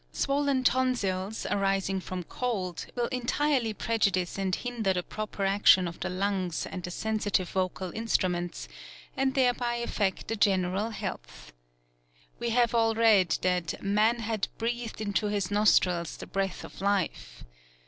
Swollen tonsils, arising from cold, will entirely prejudice and hinder the proper action of the lungs and the sen sitive vocal instruments, and thereby affect the general heath. "We have all read that man had " breathed into his nostrils ihe breath of life."